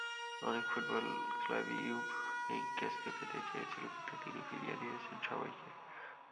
অনেক ফুটবল ক্লাবই ইয়ুপ হেইঙ্কেসকে পেতে চেয়েছিল, কিন্তু তিনি ফিরিয়ে দিয়েছেন সবাইকে।